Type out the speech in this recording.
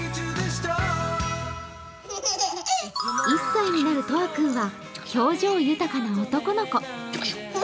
１歳になる、とあ君は表情豊かな男の子。